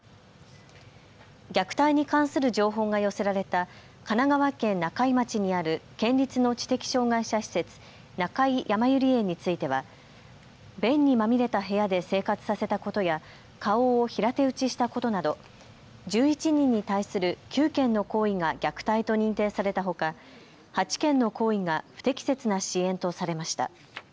虐待に関する情報が寄せられた神奈川県中井町にある県立の知的障害者施設、中井やまゆり園については便にまみれた部屋で生活させたことや顔を平手打ちしたことなど１１人に対する９件の行為が虐待と認定されたほか、８件の行為が不適切な支援とされました。